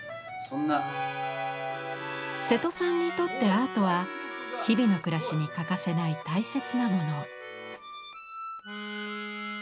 瀬戸さんにとってアートは日々の暮らしに欠かせない大切なもの。